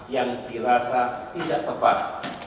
yang dirasa tidak tepat